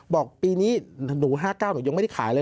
ปีนี้หนู๕๙หนูยังไม่ได้ขายเลย